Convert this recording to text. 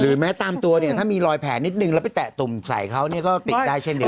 แม้ตามตัวเนี่ยถ้ามีรอยแผลนิดนึงแล้วไปแตะตุ่มใส่เขาก็ติดได้เช่นเดียว